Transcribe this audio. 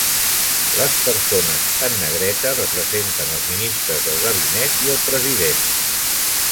Les persones en negreta representen els ministres del gabinet i el president.